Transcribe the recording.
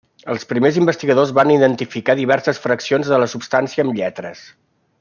Els primers investigadors van identificar diverses fraccions de la substància amb lletres.